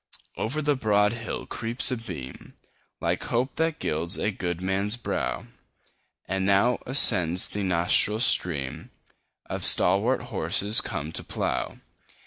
Over the broad hill creeps a beam, Like hope that gilds a good man's brow; 10 And now ascends the nostril stream Of stalwart horses come to plough.